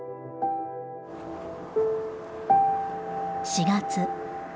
４月。